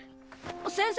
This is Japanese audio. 先生！